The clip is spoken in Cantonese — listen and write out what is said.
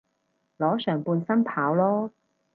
裸上半身跑囉